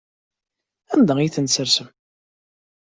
Anda ay ten-tessersem?